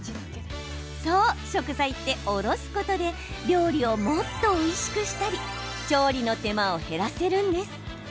そう、食材っておろすことで料理をもっとおいしくしたり調理の手間を減らせるんです。